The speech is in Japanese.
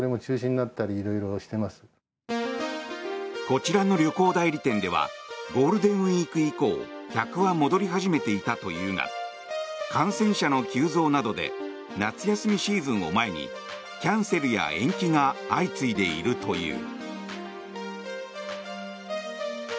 こちらの旅行代理店ではゴールデンウィーク以降客は戻り始めていたというが感染者の急増などで夏休みシーズンを前にキャンセルや延期が相次いでいるという。